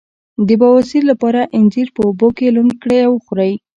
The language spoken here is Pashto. د بواسیر لپاره انځر په اوبو کې لمد کړئ او وخورئ